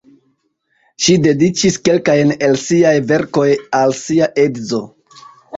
Ŝi dediĉis kelkajn el siaj verkoj al sia edzo.